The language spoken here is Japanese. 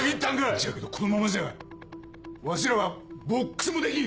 じゃけどこんままじゃわしらはボックスもできん！